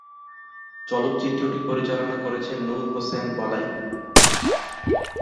চলচ্চিত্রটি পরিচালনা করেছেন নুর হোসেন বলাই।